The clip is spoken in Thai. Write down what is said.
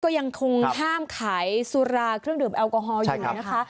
ก็ยังคงห้ามขายสุราเครื่องดื่มแอลกอฮอลอยู่นะคะ